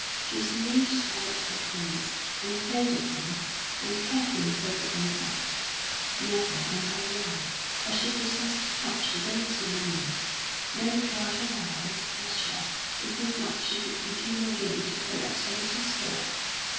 She smoothed out the things, unfolded them, and carefully folded them up. Never in her life had she possessed such dainty linen. Mary cried a while with pleasure to think that she could begin again to collect her little store.